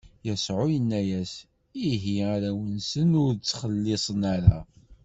Yasuɛ inna-as: Ihi, arraw-nsen ur ttxelliṣen ara.